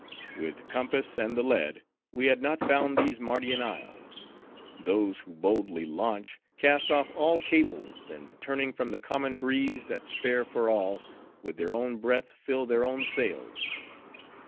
With compass and the lead, we had not found these Mardian Isles. Those who boldly launch, cast off all cables; and turning from the common breeze, that's fair for all, with their own breath, fill their own sails.